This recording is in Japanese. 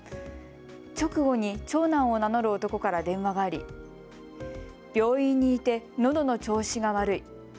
直後に長男を名乗る男から電話があり病院にいて、のどの調子が悪い。